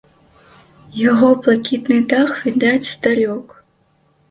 Яго блакітны дах відаць здалёк.